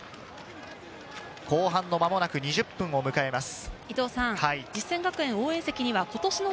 後半の間もなく２０分を迎えます。